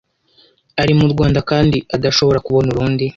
ari mu rwanda kandi adashobora kubona urundi